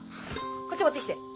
こっち持ってきて。